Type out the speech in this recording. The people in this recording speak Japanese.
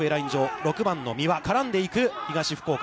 ６番の三羽、絡んでいく東福岡。